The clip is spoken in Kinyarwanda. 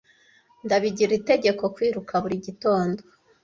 Ndabigira itegeko kwiruka buri gitondo.